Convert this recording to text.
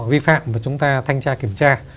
vi phạm và chúng ta thanh tra kiểm tra